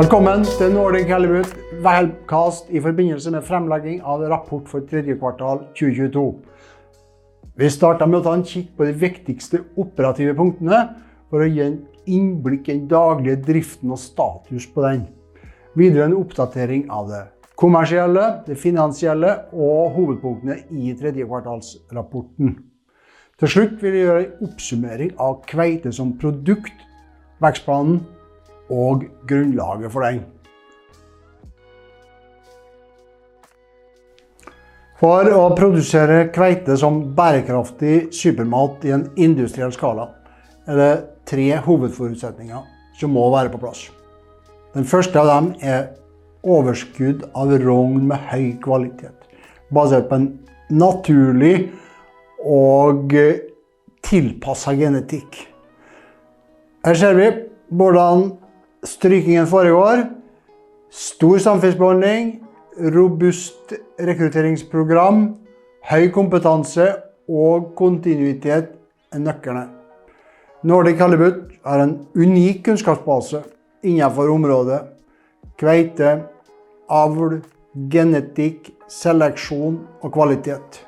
Velkommen til Nordic Halibut Webcast i forbindelse med fremlegging av rapport for tredje kvartal 2022. Vi starter med å ta en kikk på de viktigste operative punktene for å gi et innblikk i den daglige driften og status på den. Videre en oppdatering av det kommersielle, det finansielle og hovedpunktene i tredjekvartalsrapporten. Til slutt vil vi gjøre en oppsummering av kveite som produkt, vekstplanen og grunnlaget for den. For å produsere kveite som bærekraftig supermat i en industriell skala er det tre hovedforutsetninger som må være på plass. Den første av dem er overskudd av rogn med høy kvalitet basert på en naturlig og tilpasset genetikk. Her ser vi hvordan strykningen foregår. Stor samfunnsbehandling, robust rekrutteringsprogram, høy kompetanse og kontinuitet er nøklene. Nordic Halibut har en unik kunnskapsbase innenfor området. Kveite, avl, genetikk, seleksjon og kvalitet.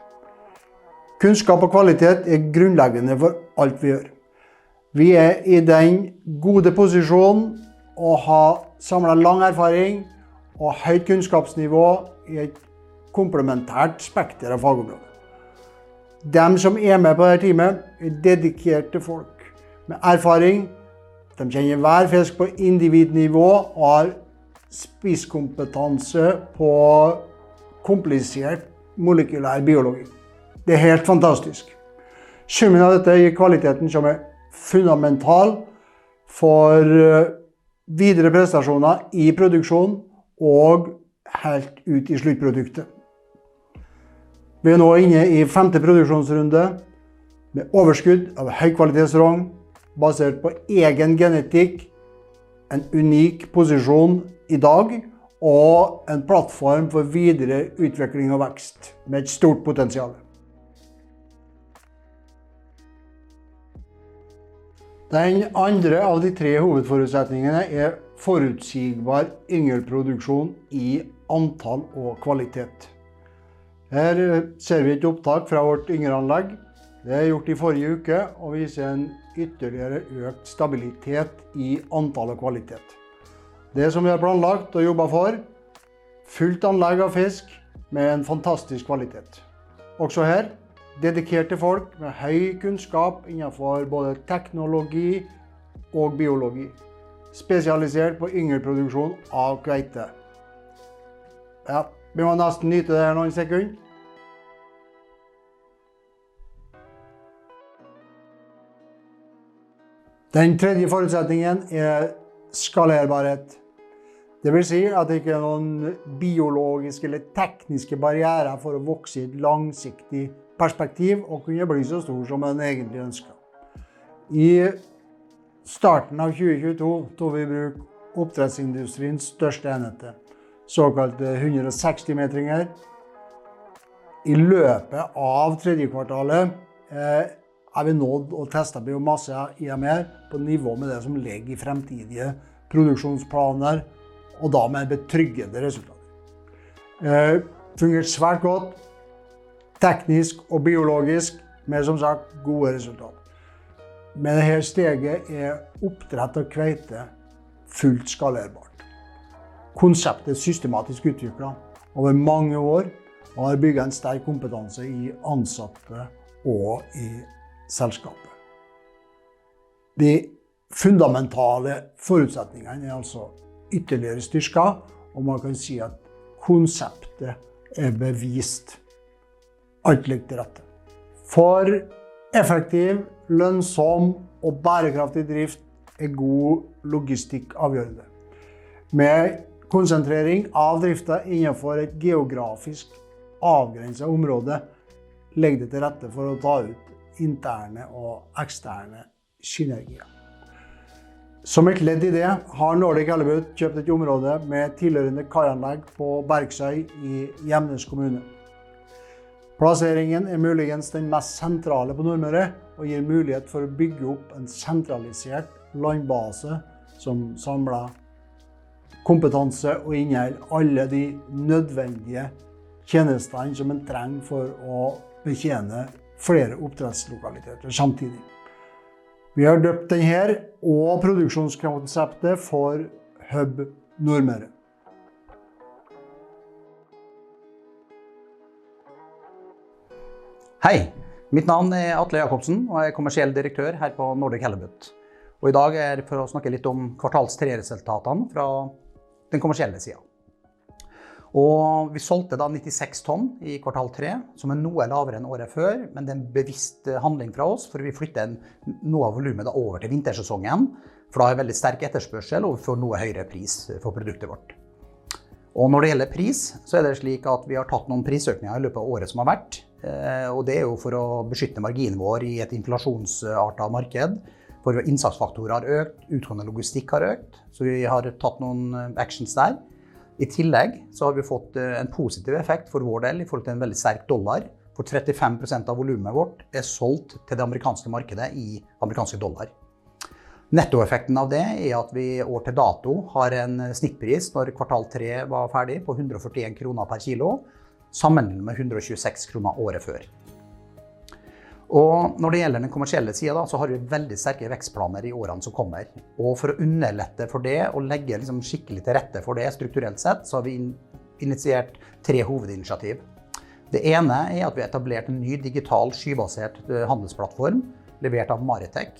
Kunnskap og kvalitet er grunnleggende for alt vi gjør. Vi er i den gode posisjon og har samlet lang erfaring og høyt kunnskapsnivå i et komplementært spekter av fagområder. De som er med på dette teamet er dedikerte folk med erfaring. De kjenner hver fisk på individnivå og har spisskompetanse på komplisert molekylærbiologi. Det er helt fantastisk. Summen av dette gir kvaliteten som er fundamental for videre prestasjoner i produksjon og helt ut i sluttproduktet. Vi er nå inne i femte produksjonsrunde med overskudd av høykvalitetsrogn basert på egen genetikk. En unik posisjon i dag og en plattform for videre utvikling og vekst med et stort potensial. Den andre av de tre hovedforutsetningene er forutsigbar yngelproduksjon i antall og kvalitet. Her ser vi et opptak fra vårt yngelanlegg. Det er gjort i forrige uke og viser en ytterligere økt stabilitet i antall og kvalitet. Det som vi har planlagt og jobbet for. Fullt anlegg av fisk med en fantastisk kvalitet. Også her dedikerte folk med høy kunnskap innenfor både teknologi og biologi, spesialisert på yngelproduksjon av kveite. Ja, bør man nesten nyte det her noen sekunder. Den tredje forutsetningen er skalerbarhet. Det vil si at det ikke er noen biologiske eller tekniske barrierer for å vokse i et langsiktig perspektiv og kunne bli så stor som en egentlig ønsker. I starten av 2022 tok vi i bruk oppdrettsindustriens største enheter, såkalte 160-metringer. I løpet av tredje kvartalet har vi nådd og testet biomasse i merd på nivå med det som ligger i fremtidige produksjonsplaner, og da med betryggende resultater. Fungert svært godt teknisk og biologisk med som sagt gode resultater. Med det her steget er oppdrett av kveite fullt skalerbart. Konseptet er systematisk utviklet over mange år og har bygget en sterk kompetanse i ansatte og i selskapet. De fundamentale forutsetningene er altså ytterligere styrket, og man kan si at konseptet er bevist. Alt ligger til rette. For effektiv, lønnsom og bærekraftig drift er god logistikk avgjørende. Med konsentrering av driften innenfor et geografisk avgrenset område legger det til rette for å ta ut interne og eksterne synergier. Som et ledd i det har Nordic Halibut kjøpt et område med tilhørende kaianlegg på Bergsøy i Gjemnes kommune. Plasseringen er muligens den mest sentrale på Nordmøre, og gir mulighet for å bygge opp en sentralisert landbase som samler kompetanse og inneholder alle de nødvendige tjenestene som en trenger for å betjene flere oppdrettslokaliteter samtidig. Vi har døpt den her og produksjonskonseptet for Hub Nordmøre. Hei. Mitt navn er Atle Jacobsen og er kommersiell direktør her på Nordic Halibut. I dag er for å snakke litt om kvartal tre resultatene fra den kommersielle siden. Vi solgte da 96 tonn i kvartal tre, som er noe lavere enn året før. Det er en bevisst handling fra oss, for vi flytter noe av volumet da over til vintersesongen. Da er veldig sterk etterspørsel, og vi får noe høyere pris for produktet vårt. Når det gjelder pris så er det slik at vi har tatt noen prisøkninger i løpet av året som har vært. Det er jo for å beskytte marginen vår i et inflasjonsartet marked for hvor innsatsfaktorer har økt. Utgående logistikk har økt, så vi har tatt noen actions der. I tillegg så har vi fått en positiv effekt for vår del i forhold til en veldig sterk dollar. 35% av volumet vårt er solgt til det amerikanske markedet i amerikanske dollar. Nettoeffekten av det er at vi år til dato har en snittpris når kvartal tre var ferdig på 140 kroner per kilo, sammenlignet med 126 kroner året før. Når det gjelder den kommersielle siden da så har vi veldig sterke vekstplaner i årene som kommer. For å underlette for det og legge liksom skikkelig til rette for det strukturelt sett, så har vi initiert tre hovedinitiativ. Det ene er at vi etablert en ny digital skybasert handelsplattform levert av Maritech.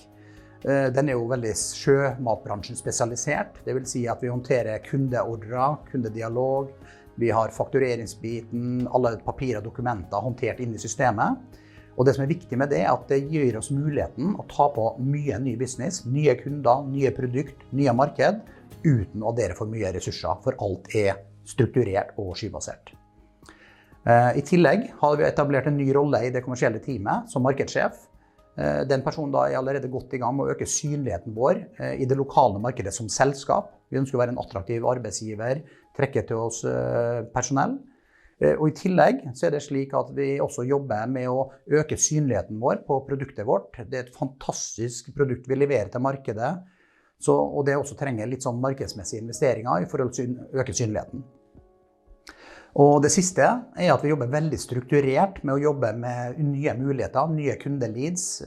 Den er jo veldig sjømatbransjen spesialisert. Det vil si at vi håndterer kundeordrer, kundedialog. Vi har faktureringsbiten, alle papirer og dokumenter håndtert inne i systemet. Det som er viktig med det er at det gir oss muligheten å ta på mye ny business, nye kunder, nye produkt, nye marked, uten å dedikere for mye ressurser for alt er strukturert og skybasert. I tillegg har vi etablert en ny rolle i det kommersielle teamet som markedssjef. Den personen da er allerede godt i gang med å øke synligheten vår i det lokale markedet som selskap. Vi ønsker å være en attraktiv arbeidsgiver, trekke til oss personell. I tillegg så er det slik at vi også jobber med å øke synligheten vår på produktet vårt. Det er et fantastisk produkt vi leverer til markedet. Så og det også trenger litt sånn markedsmessige investeringer i forhold til øke synligheten. Det siste er at vi jobber veldig strukturert med å jobbe med nye muligheter, nye kunde leads.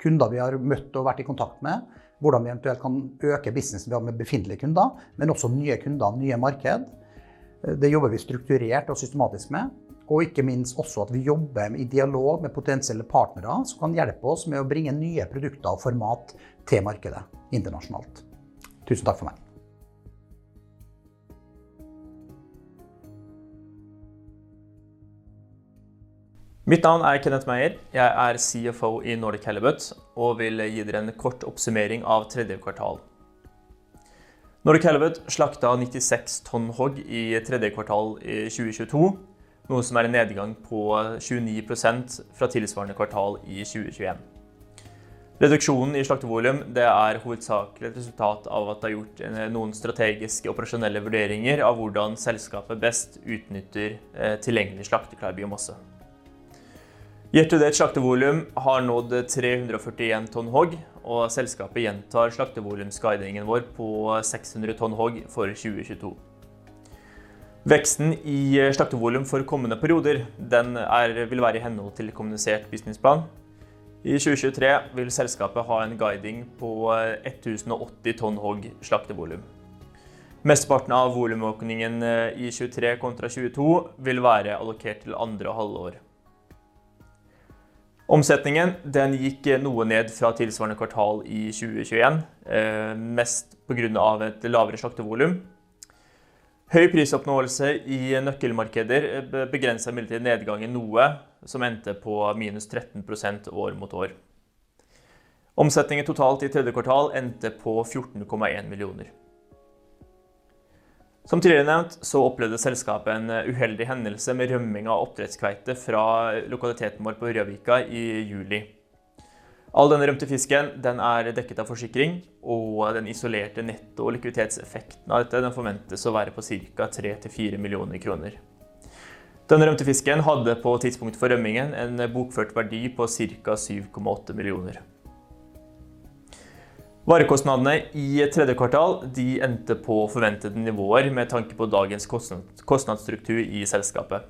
kunder vi har møtt og vært i kontakt med. Hvordan vi eventuelt kan øke businessen vi har med befintlige kunder, men også nye kunder. Nye marked. Det jobber vi strukturert og systematisk med, og ikke minst også at vi jobber i dialog med potensielle partnere som kan hjelpe oss med å bringe nye produkter og format til markedet internasjonalt. Tusen takk for meg. Mitt navn er Kenneth Meyer. Jeg er CFO i Nordic Halibut og vil gi dere en kort oppsummering av tredje kvartal. Nordic Halibut slaktet 96 tonn HOG i tredje kvartal i 2022, noe som er en nedgang på 29% fra tilsvarende kvartal i 2021. Reduksjonen i slaktevolum det er hovedsakelig et resultat av at det er gjort noen strategiske operasjonelle vurderinger av hvordan selskapet best utnytter tilgjengelig slakteklar biomasse. Year to date slaktevolum har nådd 341 tonn HOG, og selskapet gjentar slaktevolumsguidningen vår på 600 tonn HOG for 2022. Veksten i slaktevolum for kommende perioder den er vil være i henhold til kommunisert businessplan. I 2023 vil selskapet ha en guiding på 1,080 tonn HOG slaktevolum. Mesteparten av volumbekningene i 2023 kontra 2022 vil være allokert til andre halvår. Omsetningen den gikk noe ned fra tilsvarende kvartal i 2021, mest på grunn av et lavere slaktevolum. Høy prisoppnåelse i nøkkelmarkeder begrenser imidlertid nedgangen noe, som endte på -13% år mot år. Omsetningen totalt i tredje kvartal endte på 14.1 millioner. Som tidligere nevnt så opplevde selskapet en uheldig hendelse med rømning av oppdrettskveite fra lokaliteten vår på Rønvika i juli. All den rømte fisken den er dekket av forsikring, og den isolerte netto likviditetseffekten av dette den forventes å være på cirka NOK 3-NOK 4 millioner. Den rømte fisken hadde på tidspunktet for rømningen en bokført verdi på cirka 7.8 millioner. Varekostnadene i tredje kvartal de endte på forventede nivåer med tanke på dagens kostnadsstruktur i selskapet.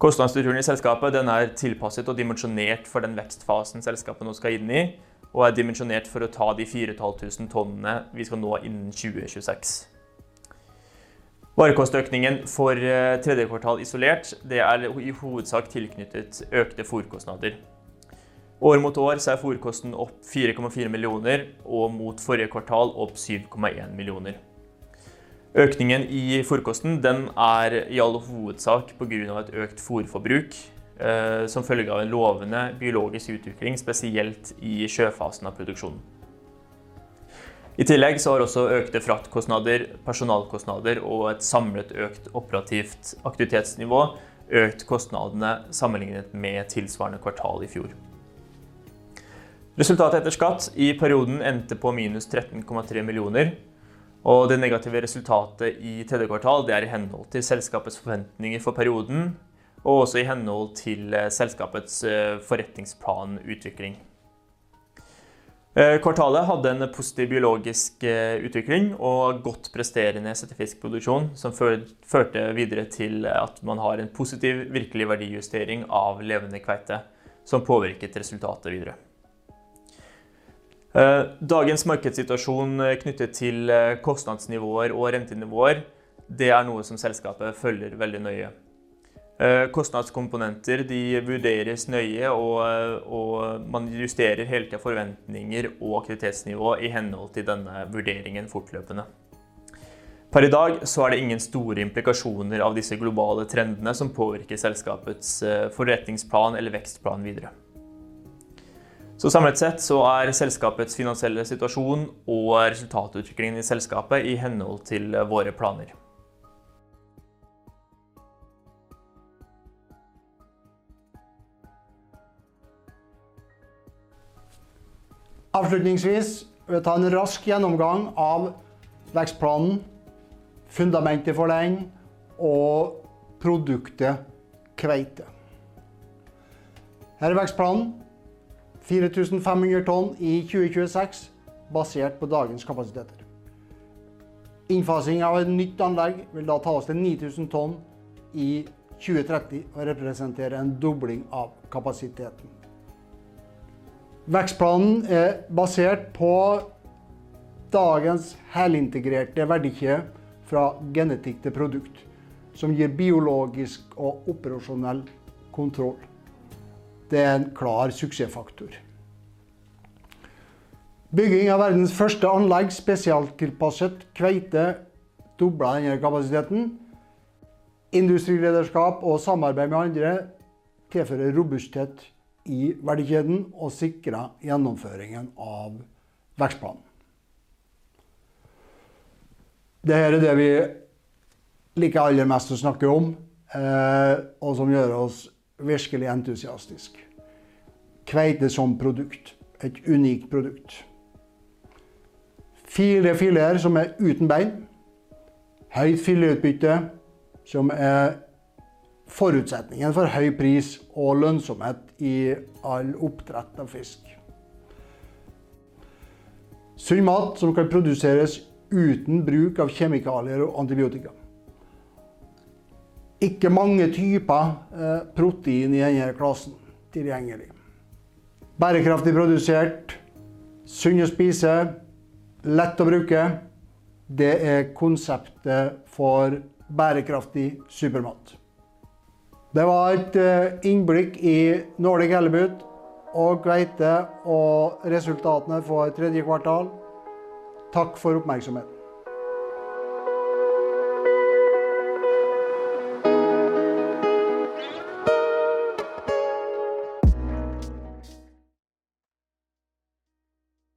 Kostnadsstrukturen i selskapet den er tilpasset og dimensjonert for den vekstfasen selskapet nå skal inn i, og er dimensjonert for å ta de 4,500 tonnene vi skal nå innen 2026. Varekostøkningen for tredje kvartal isolert det er i hovedsak tilknyttet økte fôrkostnader. År mot år så er fôrkosten opp 4.4 millioner og mot forrige kvartal opp 7.1 millioner. Økningen i fôrkosten den er i all hovedsak på grunn av et økt fôrforbruk, som følge av en lovende biologisk utvikling, spesielt i sjøfasen av produksjonen. I tillegg så har også økte fraktkostnader, personalkostnader og et samlet økt operativt aktivitetsnivå økt kostnadene sammenlignet med tilsvarende kvartal i fjor. Resultatet etter skatt i perioden endte på -13.3 millioner, og det negative resultatet i tredje kvartal det er i henhold til selskapets forventninger for perioden, og også i henhold til selskapets forretningsplan utvikling. Kvartalet hadde en positiv biologisk utvikling og godt presterende settefiskproduksjon som førte videre til at man har en positiv virkelig verdijustering av levende kveite som påvirket resultatet videre. Dagens markedssituasjon knyttet til kostnadsnivåer og rentenivåer det er noe som selskapet følger veldig nøye. Kostnadskomponenter de vurderes nøye og man justerer hele tiden forventninger og aktivitetsnivået i henhold til denne vurderingen fortløpende. Per i dag så er det ingen store implikasjoner av disse globale trendene som påvirker selskapets forretningsplan eller vekstplan videre. Samlet sett så er selskapets finansielle situasjon og resultatutviklingen i selskapet i henhold til våre planer. Avslutningsvis vil jeg ta en rask gjennomgang av vekstplanen, fundamentet for den og produktet kveite. Her er vekstplanen 4,500 tonn i 2026 basert på dagens kapasiteter. Innfasing av et nytt anlegg vil da ta oss til 9,000 tonn i 2030 og representerer en dobling av kapasiteten. Vekstplanen er basert på dagens helintegrerte verdikjede fra genetikk til produkt som gir biologisk og operasjonell kontroll. Det er en klar suksessfaktor. Bygging av verdens første anlegg spesialtilpasset kveite dobler denne kapasiteten. Industrilederskap og samarbeid med andre tilfører robusthet i verdikjeden og sikrer gjennomføringen av vekstplanen. Det her er det vi liker aller mest å snakke om, og som gjør oss virkelig entusiastisk. Kveite som produkt. Et unikt produkt. Fine fileter som er uten bein. Høyt filetutbytte som er forutsetningen for høy pris og lønnsomhet i all oppdrett av fisk. Sunn mat som kan produseres uten bruk av kjemikalier og antibiotika. Ikke mange typer, protein i denne klassen tilgjengelig. Bærekraftig produsert. Sunn å spise. Lett å bruke. Det er konseptet for bærekraftig supermat. Det var et innblikk i Nordic Halibut og kveite og resultatene for tredje kvartal. Takk for oppmerksomheten.